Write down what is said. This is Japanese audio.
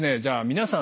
皆さん